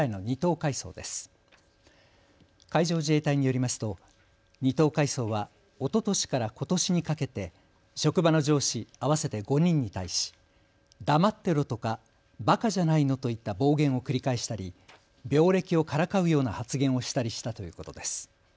海上自衛隊によりますと２等海曹はおととしからことしにかけて職場の上司合わせて５人に対し黙ってろとか、ばかじゃないのといった暴言を繰り返したり病歴をからかうような発言をしたりしたということです。